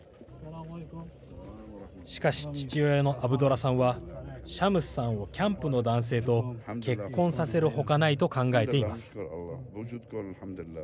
しかし、父親のアブドラさんはシャムスさんをキャンプの男性と結婚させるほかないと考えています。